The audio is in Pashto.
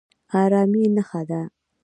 ارامي ښه ده.